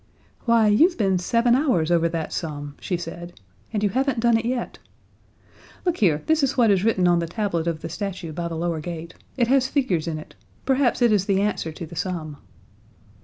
"Why, you've been seven hours over that sum," she said, "and you haven't done it yet. Look here, this is what is written on the tablet of the statue by the lower gate. It has figures in it. Perhaps it is the answer to the sum."